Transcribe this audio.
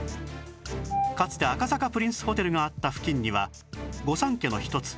かつて赤坂プリンスホテルがあった付近には御三家の一つ